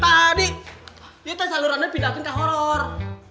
tadi itu salurannya pindah ke horor